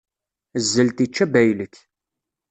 Zzelt ičča baylek.